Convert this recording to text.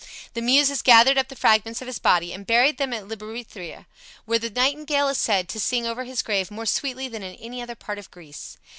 The Muses gathered up the fragments of his body and buried them at Libethra, where the nightingale is said to sing over his grave more sweetly than in any other part of Greece.